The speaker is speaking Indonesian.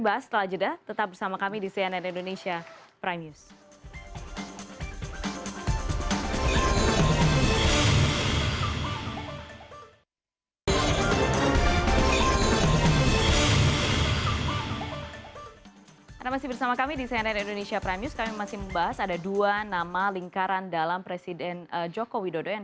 bahas setelah jeda tetap bersama kami di cnn